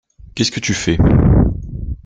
Qu’est-ce que tu fais?